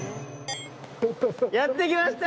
やって来ました！